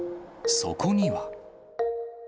そこには。